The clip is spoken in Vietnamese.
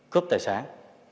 cướp tài sản